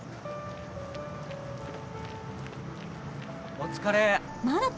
お疲れ。